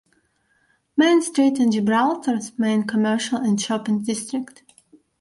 Main Street is Gibraltar's main commercial and shopping district.